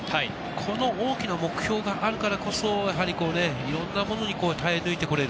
この大きな目標があるからこそ、いろんなものに耐え抜いて来れる。